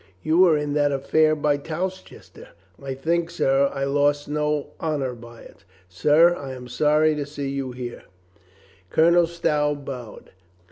You were in that affair by Towcester." "I think, sir, I lost no honor by it?" "Sir, I am sorry to see you here." 428 COLONEL GREATHEART Colonel Stow bowed.